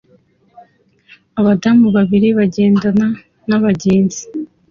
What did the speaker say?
Abadamu babiri bagendana nabagenzi